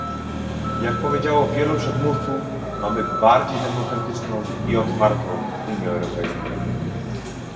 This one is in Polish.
Jak powiedziało wielu przedmówców, mamy bardziej demokratyczną i otwartą Unię Europejską